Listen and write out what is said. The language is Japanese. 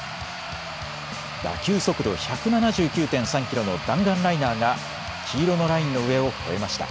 打球速度１７９．３キロの弾丸ライナーが黄色のラインの上を越えました。